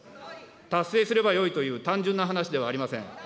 達成すればよいという単純な話ではありません。